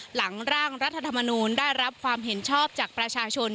หลังร่างรัฐธรรมนูลได้รับความเห็นชอบจากประชาชน